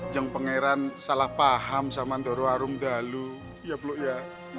jangan salah paham sama ndoro arung dulu ya ya